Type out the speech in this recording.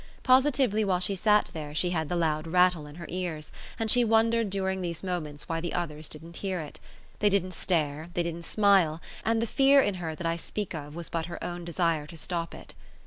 Positively while she sat there she had the loud rattle in her ears, and she wondered during these moments why the others didn't hear it. They didn't stare, they didn't smile, and the fear in her that I speak of was but her own desire to stop it.